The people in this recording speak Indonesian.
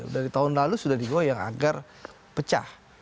dari tahun lalu sudah digoyang agar pecah